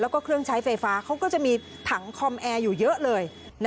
แล้วก็เครื่องใช้ไฟฟ้าเขาก็จะมีถังคอมแอร์อยู่เยอะเลย